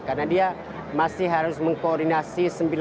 karena dia masih harus mengkoordinasi